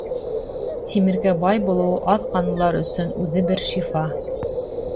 Тимергә бай булыуы аҙ ҡанлылар өсөн үҙе бер шифа.